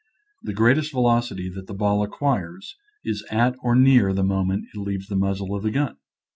The great est velocity that the ball acquires is at or near the moment it leaves the muzzle of the gun.